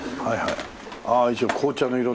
はい。